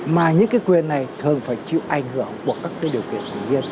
mà những cái quyền này thường phải triển